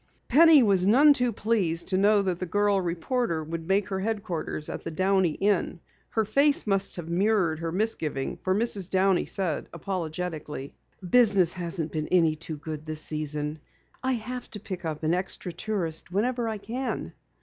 Penny was none too pleased to know that the girl reporter would make her headquarters at the Downey Inn. Her face must have mirrored her misgiving, for Mrs. Downey said apologetically: "Business hasn't been any too good this season. I have to pick up an extra tourist whenever I can."